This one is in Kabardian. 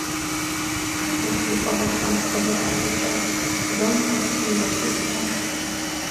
- Хэт нэхъ и фӏыгъэ хьэм сыкъызэрыӏэщӏэкӏар? - гъуэм здисым йогупсыс бажэр.